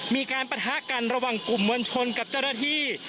มีการประทะกันระหว่างกลุ่มวัญชนกับจรฐี